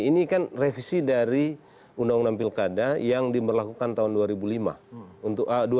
ini kan revisi dari undang undang pilkada yang diberlakukan tahun dua ribu lima belas